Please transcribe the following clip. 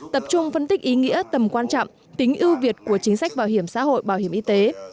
tập trung phân tích ý nghĩa tầm quan trọng tính ưu việt của chính sách bảo hiểm xã hội bảo hiểm y tế